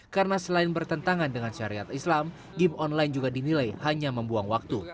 karena selain bertentangan dengan syariat islam game online juga dinilai hanya membuang waktu